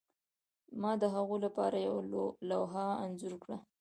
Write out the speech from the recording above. ما د هغوی لپاره یوه لوحه انځور کړه